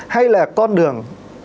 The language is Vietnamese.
hay là con đường